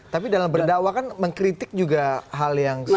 tapi dalam berdakwah kan mengkritik juga hal yang sama